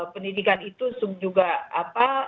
pendidikan itu juga apa